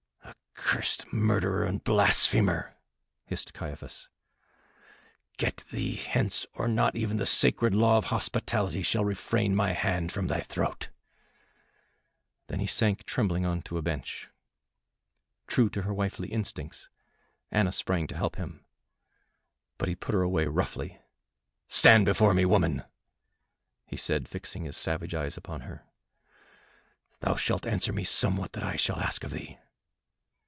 "Accursed murderer and blasphemer!" hissed Caiaphas. "Get thee hence, or not even the sacred law of hospitality shall refrain my hand from thy throat." Then he sank trembling onto a bench. True to her wifely instincts, Anna sprang to help him, but he put her away roughly. "Stand before me, woman," he said, fixing his savage eyes upon her. "Thou shalt answer me somewhat that I shall ask of thee.